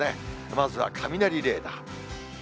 まずは雷レーダー。